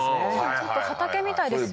ちょっと畑みたいですよね